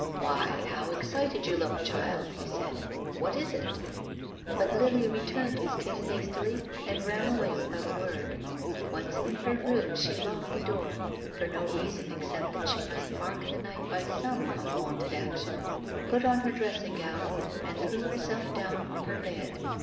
" Why, how excited you look, child !" he said, " what is it ?" But Lily returned his kiss hastily and ran away without a word. Once in her room she locked the door — for no reason except that she must mark the night by some unwonted action — put on her dressing gown and threw herself down on her bed.